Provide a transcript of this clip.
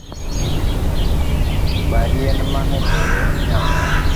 Bad yien mane boyo ne ong'adi